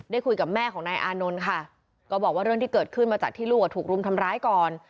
คุยกับแม่ของนายอานนท์ค่ะก็บอกว่าเรื่องที่เกิดขึ้นมาจากที่ลูกถูกรุมทำร้ายก่อน